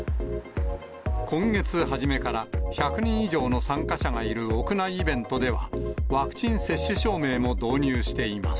今月初めから１００人以上の参加者がいる屋内イベントでは、ワクチン接種証明も導入しています。